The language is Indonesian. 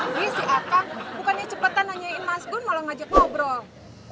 ini si akang bukan yang cepetan nanyain mas gun malah ngajak ngobrol